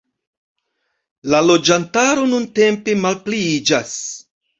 La loĝantaro nuntempe malpliiĝas.